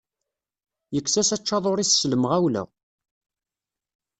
Yekkes-as aččadur-is s lemɣawla.